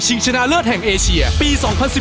ชนะเลิศแห่งเอเชียปี๒๐๑๘